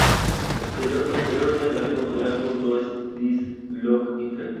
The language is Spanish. Posteriormente con el álbum Does This Look Infected?